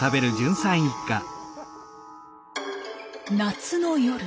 夏の夜。